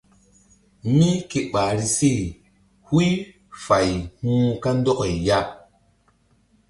Mí ke ɓahri se huy fay hu̧h kandɔkay ya.